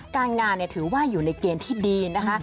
การงานถือว่าอยู่ในเกณฑ์ที่ดีนะคะ